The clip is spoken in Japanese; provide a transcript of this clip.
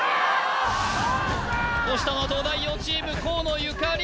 押したのは東大王チーム河野ゆかり